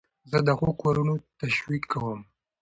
زه د ښو کارو تشویق کوم.